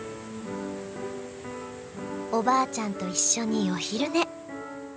おばあちゃんと一緒にお昼寝。